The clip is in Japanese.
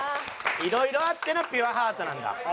色々あってのピュアハートなんだ？